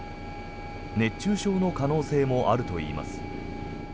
熱中症の可能性もあるといいます。